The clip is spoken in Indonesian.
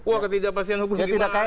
wah ketidakpastian hukum